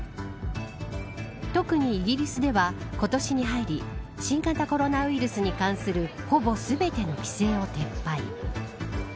特に、イギリスでは今年に入り新型コロナウイルスに関するほぼ全ての規制を撤廃。